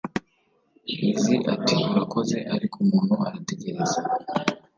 Lizzie ati Urakoze ariko umuntu arategereza